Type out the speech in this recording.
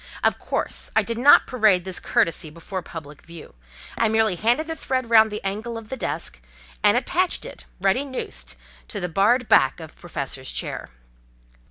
Of course I did not parade this courtesy before public view: I merely handed the thread round the angle of the desk, and attached it, ready noosed, to the barred back of the Professor's chair.